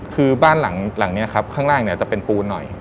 คือบ้านหลังนี้ครับข้างล่างเนี่ยจะเป็นปูนหน่อย